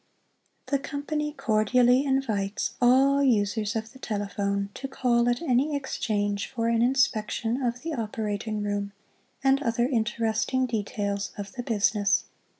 The Company Cordially Invites all users of the telephone to call at any Exchange for an inspection of the operating room and other interesting details of the business.